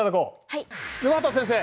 はい。